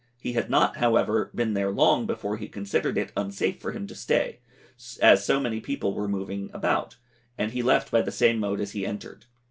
He had not, however, been there long before he considered it unsafe for him to stay, as so many people were moving about, and he left by the same mode as he entered.